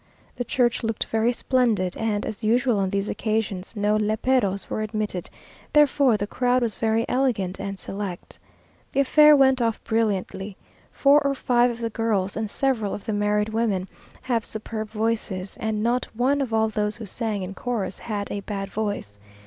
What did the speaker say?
The church looked very splendid, and, as usual on these occasions, no léperos were admitted, therefore the crowd was very elegant and select. The affair went off brilliantly. Four or five of the girls, and several of the married women, have superb voices; and not one of all those who sang in chorus had a bad voice.